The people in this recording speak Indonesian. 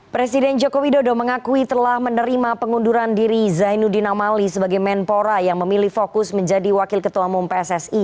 presiden jokowi dodo mengakui telah menerima pengunduran diri zainuddin amali sebagai menpora yang memilih fokus menjadi wakil ketua umum pssi